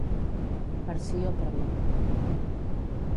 Per sí o per no.